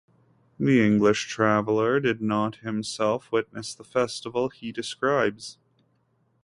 The English traveller did not himself witness the festival he describes.